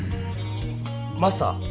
マスター。